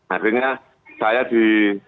akhirnya saya di